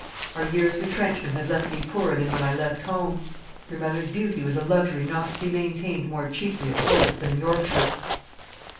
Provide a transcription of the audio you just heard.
Our year's retrenchment had left me poorer than when I left home. Your mother's beauty was a luxury not to be maintained more cheaply at Florence than in Yorkshire."